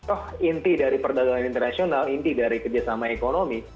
oh inti dari perdagangan internasional inti dari kerjasama ekonomi